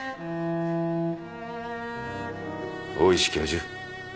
大石教授。